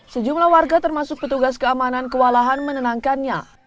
sejumlah warga termasuk petugas keamanan kewalahan menenangkannya